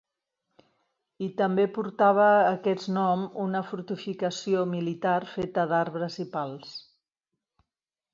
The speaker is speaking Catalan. I també portava aquest nom una fortificació militar feta d'arbres i pals.